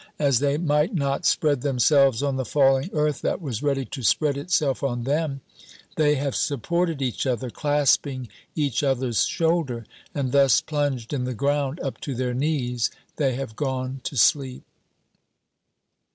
As they might not spread themselves on the falling earth that was ready to spread itself on them, they have supported each other, clasping each other's shoulder; and thus plunged in the ground up to their knees, they have gone to sleep.